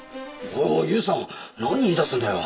おいおい勇さん何言いだすんだよ！？